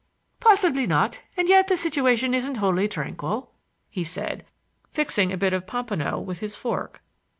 "Possibly not; and yet the situation isn't wholly tranquil," he said, transfixing a bit of pompano with his fork.